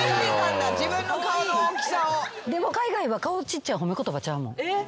でも海外は「顔ちっちゃい」褒め言葉ちゃうもん。